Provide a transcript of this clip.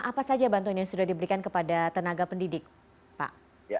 apa saja bantuan yang sudah diberikan kepada tenaga pendidik pak